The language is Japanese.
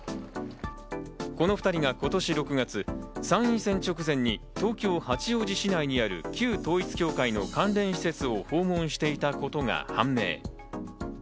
この２人が今年６月、参院選直前に東京・八王子市内にある旧統一教会の関連施設を訪問していたことが判明。